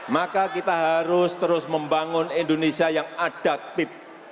maka kita harus terus membangun indonesia yang adaptif